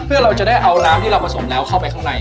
เพื่อเราจะได้เอาน้ำที่เราผสมแล้วเข้าไปข้างใน